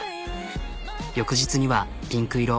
翌日にはピンク色。